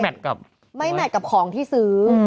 ไม่แมทกับของที่ซื้อ